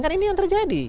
kan ini yang terjadi